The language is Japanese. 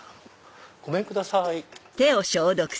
ごめんください。